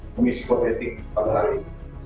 komisi kode etik pada hari ini